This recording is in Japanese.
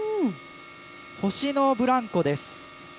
星のブランコです。